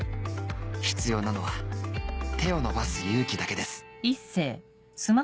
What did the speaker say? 必要なのは手を伸ばす勇気だけです。